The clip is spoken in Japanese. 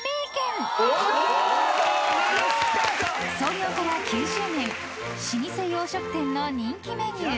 ［創業から９０年老舗洋食店の人気メニュー］